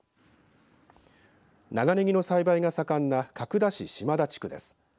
長ねぎの栽培が盛んな角田市島田地区です。